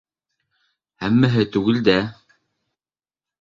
— Һәммәһе түгел дә...